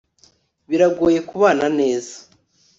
biragoye kubana neza